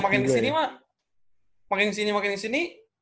makin disini makin disini makin disini